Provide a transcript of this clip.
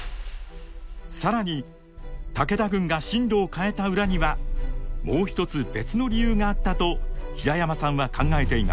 更に武田軍が進路を変えた裏にはもう一つ別の理由があったと平山さんは考えています。